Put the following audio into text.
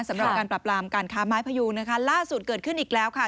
สำหรับการปรับรามการค้าไม้พยุงนะคะล่าสุดเกิดขึ้นอีกแล้วค่ะ